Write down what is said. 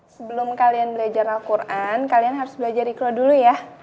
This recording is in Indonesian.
sebelum kalian belajar al quran kalian harus belajar ikro dulu ya